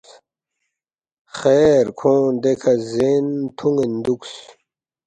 خیر کھونگ دیکھہ زین تُھون٘ین دُوکس